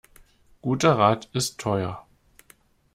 Guter Rat ist teuer.